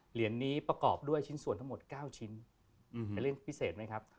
เหรียญนี้ประกอบด้วยชิ้นส่วนทั้งหมด๙ชิ้นเป็นเรื่องพิเศษไหมครับ